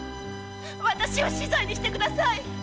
私を死罪にしてください！〕